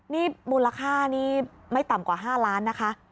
นี่มูลค่านี่ไม่ต่ำกว่า๕ล้านนะคะ